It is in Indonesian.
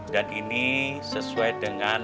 dan ini sesuai dengan